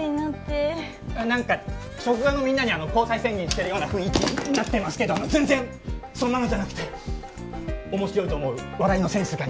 なんか職場のみんなに交際宣言してるような雰囲気になってますけど全然そんなのじゃなくて面白いと思う笑いのセンスが似ていて。